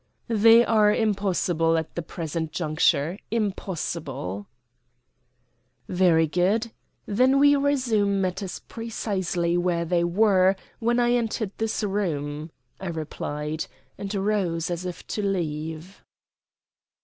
"They are impossible, at the present juncture. Impossible." "Very good; then we resume matters precisely where they were when I entered this room," I replied, and rose as if to leave.